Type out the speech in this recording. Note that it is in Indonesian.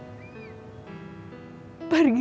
pergi sebagai orang baik